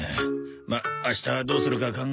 まあ明日どうするか考えよう。